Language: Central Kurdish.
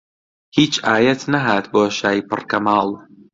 هیچ ئایەت نەهات بۆ شای پڕ کەماڵ